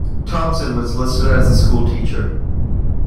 Thompson was listed as a schoolteacher.